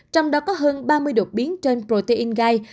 trong đó có hơn ba mươi đột biến trên protein gai